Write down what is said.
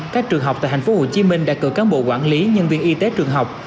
các trường học tại tp hcm đã cử cán bộ quản lý nhân viên y tế trường học